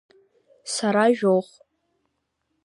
Сара жәохә!